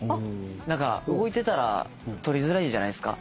動いてたら撮りづらいじゃないですか。